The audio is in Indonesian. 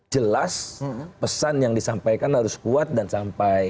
jelas pesan yang disampaikan harus kuat dan sampai